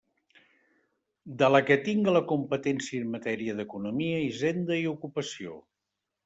De la que tinga la competència en matèria d'economia, hisenda i ocupació.